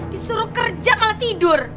disuruh kerja malah tidur